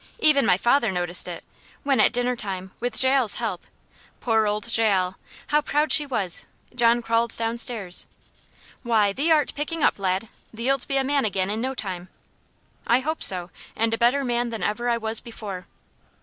Even my father noticed it, when at dinner time, with Jael's help poor old Jael! how proud she was John crawled downstairs. "Why, thee art picking up, lad! Thee'lt be a man again in no time." "I hope so. And a better man than ever I was before."